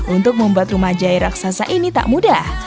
untuk membuat rumah jahe raksasa ini tak mudah